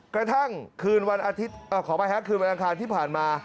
กระทั่งคืนวันอาทิตย์ขออภัยครับคืนวันอังคารที่ผ่านมา